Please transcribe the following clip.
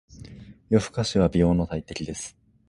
夜更かしは美容の大敵です。